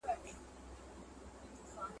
ټولنیز چلند د شرایطو تابع وي.